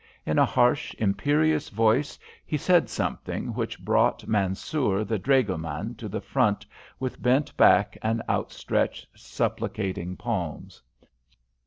In a harsh, imperious voice he said something which brought Mansoor, the dragoman, to the front, with bent back and outstretched, supplicating palms.